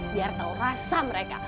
biar tau rasa mereka